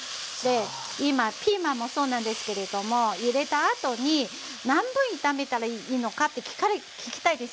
今ピーマンもそうなんですけれども入れたあとに何分炒めたらいいのかって聞きたいですよね？